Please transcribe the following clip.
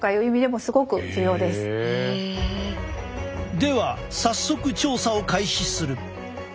では早速調査を開始する。